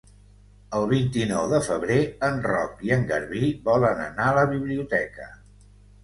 El vint-i-nou de febrer en Roc i en Garbí volen anar a la biblioteca.